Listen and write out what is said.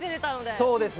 そうですね